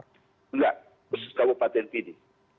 enggak khusus kabupaten pdi